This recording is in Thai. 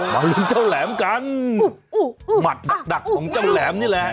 เลี้ยงเจ้าแหลมกันหมัดหนักของเจ้าแหลมนี่แหละ